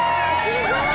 すごい！